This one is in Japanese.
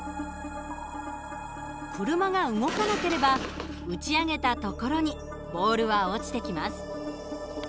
車が動かなければ打ち上げた所にボールは落ちてきます。